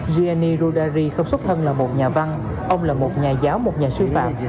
gianni rodari không xuất thân là một nhà văn ông là một nhà giáo một nhà sư phạm